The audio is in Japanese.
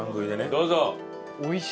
どうぞ！